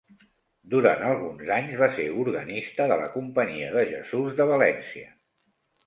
Durant alguns anys va ser organista de la Companyia de Jesús de València.